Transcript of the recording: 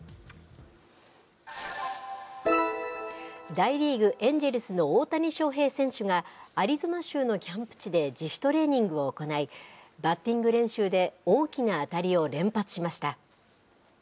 大リーグ・エンジェルスの大谷翔平選手が、アリゾナ州のキャンプ地で自主トレーニングを行い、バッティング練習で大きな当たりを連発しました。